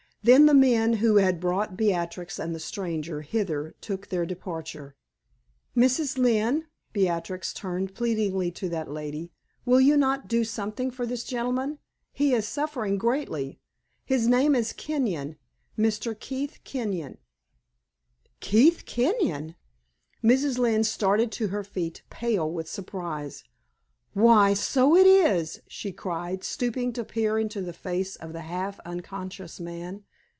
Then the men who had brought Beatrix and the stranger hither took their departure. "Mrs. Lynne," Beatrix turned pleadingly to that lady "will you not do something for this gentleman? He is suffering greatly. His name is Kenyon Mr. Keith Kenyon." "Keith Kenyon!" Mrs. Lynne started to her feet, pale with surprise. "Why, so it is!" she cried, stooping to peer into the face of the half unconscious man.